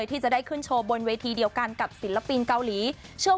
ที่จะได้ขึ้นโชว์บนเวทีเดียวกันกับเศรษฐฟินเกาหลีและว่าคุณคงจะง่าย